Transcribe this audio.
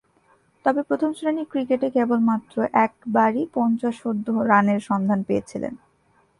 তবে, প্রথম-শ্রেণীর ক্রিকেটে কেবলমাত্র একবারই পঞ্চাশোর্ধ্ব রানের সন্ধান পেয়েছিলেন।